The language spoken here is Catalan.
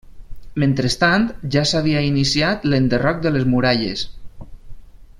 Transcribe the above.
Mentrestant, ja s'havia iniciat l'enderroc de les muralles.